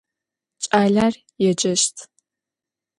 Ç'aler yêceşt.